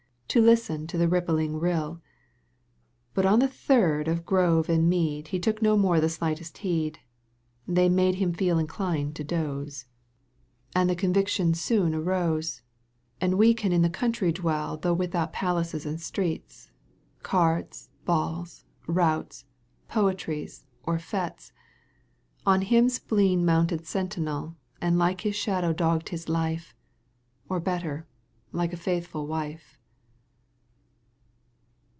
To listen to the rippling rilL But on the third of grove and mead He took no more the slightest heed ; They made him feel inclined to doze ; Digitized by VjOOQ 1С 30 EUGENE ONEGUINE. And the conviction soon arose, Enntii can in the country dwell Though without palaces and streets, Cards, balls, routs, poetry or fetes ; On him spleen mounted sentinel And like his shadow dogged his life. Or better,— like a faithful wife.